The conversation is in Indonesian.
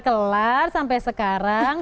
kelar kelar sampai sekarang